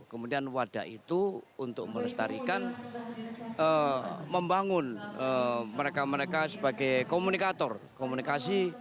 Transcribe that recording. kemudian wadah itu untuk melestarikan membangun mereka mereka sebagai komunikator komunikasi